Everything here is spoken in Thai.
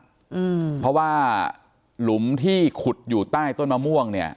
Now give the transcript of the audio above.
อืมเพราะว่าหลุมที่ขุดอยู่ใต้ต้นมะม่วงเนี่ย